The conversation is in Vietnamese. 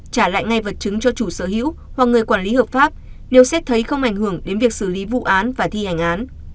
trả lại ngay vật chứng cho chủ sở hữu hoặc người quản lý hợp pháp nếu xét thấy không ảnh hưởng đến việc xử lý vụ án và thi hành án